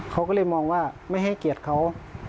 เขาก็เลยมองว่าไม่ให้เกียรติเขา